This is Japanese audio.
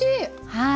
はい。